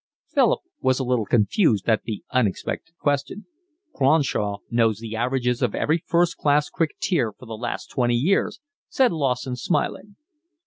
Philip was a little confused at the unexpected question. "Cronshaw knows the averages of every first class cricketer for the last twenty years," said Lawson, smiling.